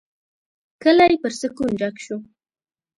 کلی پر سکون ډک شو.